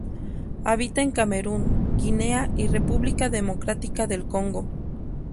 Habita en Camerún, Guinea y República Democrática del Congo.